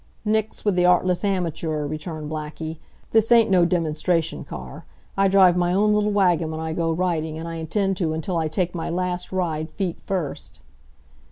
"Nix with the artless amateur," returned Blackie. "This ain't no demonstration car. I drive my own little wagon when I go riding, and I intend to until I take my last ride, feet first."